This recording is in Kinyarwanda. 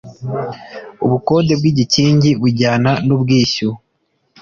ubukode bw igikingi bujyana n ubwishyu